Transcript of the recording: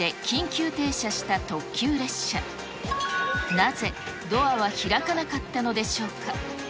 なぜドアは開かなかったのでしょうか。